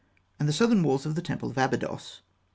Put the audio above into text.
and the southern walls of the temple of Abydos.